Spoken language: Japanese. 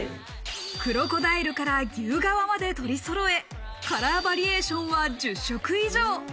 クロコダイルから牛革まで取りそろえ、カラーバリエーションは１０色以上。